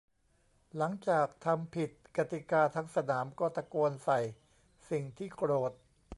หลังจากทำผิดกติกาทั้งสนามก็ตะโกนใส่สิ่งที่โกรธ